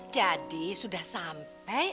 jadi sudah sampai